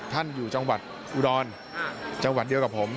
ท่านอยู่จังหวัดอุดรจังหวัดเดียวกับผม